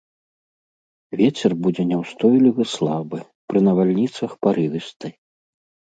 Вецер будзе няўстойлівы слабы, пры навальніцах парывісты.